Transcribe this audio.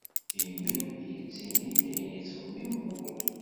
Imi yettini-d ayen yettxemmim wul.